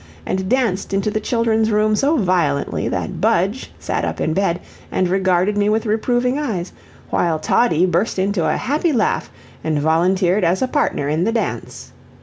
and danced into the children's room so violently that Budge sat up in bed, and regarded me with reproving eyes, while Toddie burst into a happy laugh, and volunteered as a partner in the dance.